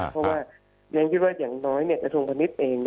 เพราะว่ายังคิดว่าอย่างน้อยธรพนิษฐ์เอง